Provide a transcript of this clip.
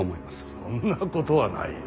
そんなことはないよ。